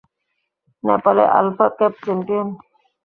নেপালে alpha cup champion.